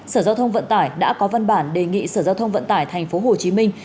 sở giao thông vận tải đã có văn bản đề nghị sở giao thông vận tải thành phố hồ chí minh